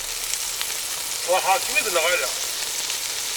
Sfeṛḥeɣ-kem-id neɣ ala?